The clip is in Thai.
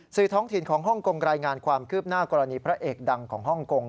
ท้องถิ่นของฮ่องกงรายงานความคืบหน้ากรณีพระเอกดังของฮ่องกง